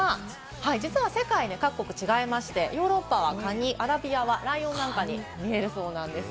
実は世界では違いまして、ヨーロッパはカニ、アラビアはライオンに見えるそうです。